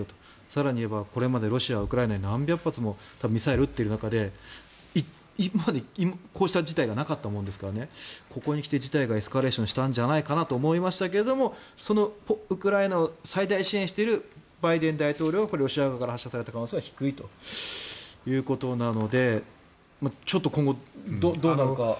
更に言えば、これまでロシアはウクライナに何百発もミサイルを撃っている中で今までこうした事態がなかったものですからここにきて事態がエスカレーションしたんじゃないかと思いましたけどそのウクライナを最大支援しているバイデン大統領がこれはロシア側から発射された可能性は低いということなのでちょっと今後、どうなるのか。